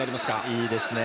いいですね。